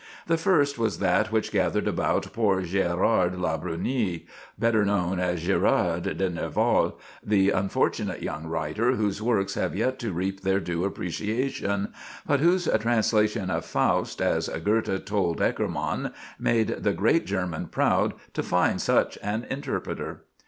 The first was that which gathered about poor Gérard Labrunie, better known as Gérard de Nerval, the unfortunate young writer whose works have yet to reap their due appreciation, but whose translation of "Faust," as Goethe told Eckermann, made the great German proud "to find such an interpreter."